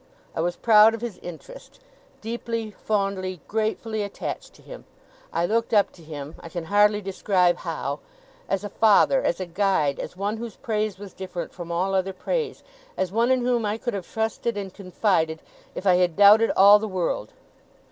I was proud of his interest: deeply, fondly, gratefully attached to him. I looked up to him, I can hardly describe how as a father, as a guide, as one whose praise was different from all other praise, as one in whom I could have trusted and confided, if I had doubted all the world.